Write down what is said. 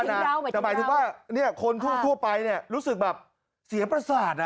แต่หมายถึงว่าคนทั่วไปรู้สึกแบบเสียประสาท